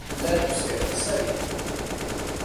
لَا تُسْرِعْ فِي السَّيْرِ.